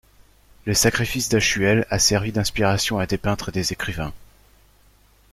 Le sacrifice d'Hachuel a servi d'inspiration à des peintres et des écrivains.